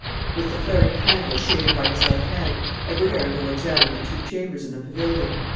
With the flaring candle shaded by his left hand, Edward Arundel examined the two chambers in the pavilion.